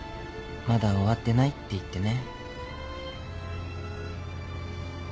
まだ終わってない」って言ってね。